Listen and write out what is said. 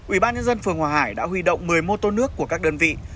ủy ban nhân dân phường hòa hải đã huy động một mươi mô tô nước của các đơn vị